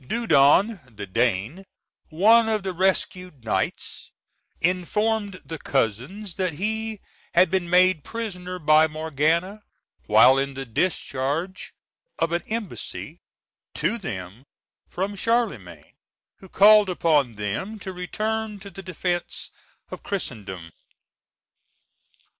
Dudon, the Dane, one of the rescued knights, informed the cousins that he had been made prisoner by Morgana while in the discharge of an embassy to them from Charlemagne, who called upon them to return to the defence of Christendom.